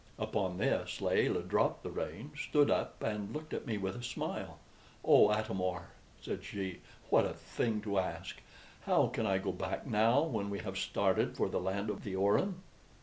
Upon this Layelah dropped the reins, stood up, and looked at me with a smile. "Oh, Atam or," said she, "what a thing to ask! How can I go back now, when we have started for the land of the Orin?"